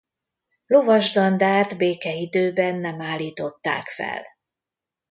Lovasdandárt békeidőben nem állították fel.